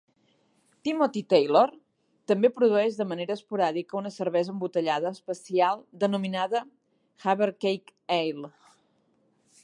Timothy Taylor també produeix de manera esporàdica una cervesa embotellada especial denominada "Havercake Ale".